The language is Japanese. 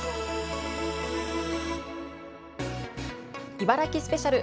「茨城スペシャル」。